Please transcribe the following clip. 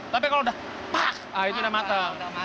tapi kalau udah pak itu udah matang